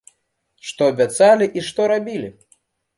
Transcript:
Што абяцалі і што рабілі?